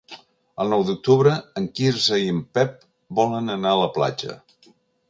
El nou d'octubre en Quirze i en Pep volen anar a la platja.